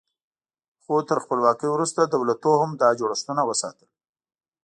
خو تر خپلواکۍ وروسته دولتونو هم دا جوړښتونه وساتل.